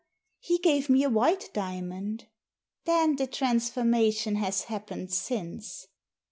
He gave me a white diamond." "Then the transformation has happened since."